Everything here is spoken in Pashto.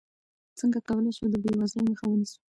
څنګه کولی شو د بېوزلۍ مخه ونیسو؟